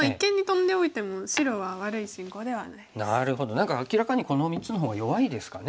何か明らかにこの３つの方が弱いですかね。